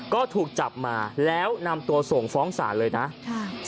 ก็ถูกจับมาแล้วนำตัวส่งฟ้องศาลเลยนะค่ะ